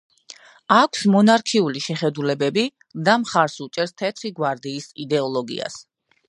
აქვს მონარქიული შეხედულებები და მხარს უჭერს თეთრი გვარდიის იდეოლოგიას.